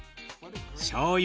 しょうゆ